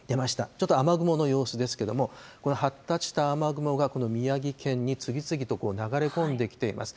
ちょっと雨雲の様子ですけれども、発達した雨雲がこの宮城県に次々と流れ込んできています。